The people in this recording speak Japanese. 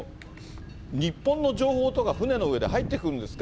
日本の情報とか、船の上で入ってくるんですか？